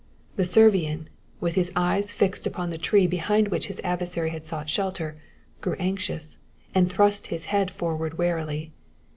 The Servian, with his eyes fixed upon the tree behind which his adversary had sought shelter, grew anxious, and thrust his head forward warily.